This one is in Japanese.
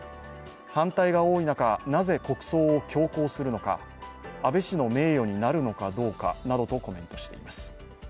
反対が多い中、なぜ国葬を強行するのか安倍氏の名誉になるのかどうかなどとコメントしています。